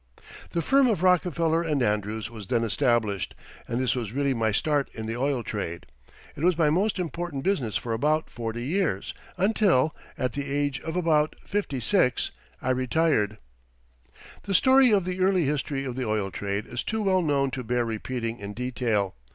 The firm of Rockefeller & Andrews was then established, and this was really my start in the oil trade. It was my most important business for about forty years until, at the age of about fifty six, I retired. The story of the early history of the oil trade is too well known to bear repeating in detail.